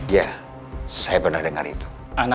ya saya pernah dengar itu